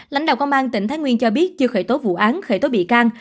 lãnh đạo công an tỉnh thái nguyên cho biết chưa khởi tố vụ án khởi tố bị can